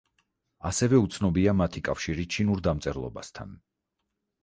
ასევე უცნობია მათი კავშირი ჩინურ დამწერლობასთან.